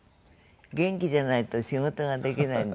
元気じゃないと仕事ができないんで。